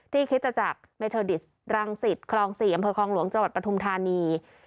ที่คริสต์จากเมอร์เทอร์ดิสรังศิษย์ครองศรีอำเภอครองหลวงจังหวัดประธุมธานี